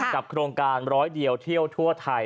โครงการร้อยเดียวเที่ยวทั่วไทย